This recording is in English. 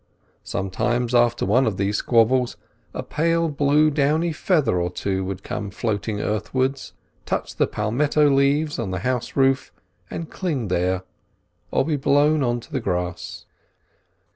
Sometimes after one of these squabbles a pale blue downy feather or two would come floating earthwards, touch the palmetto leaves of the house roof and cling there, or be blown on to the grass.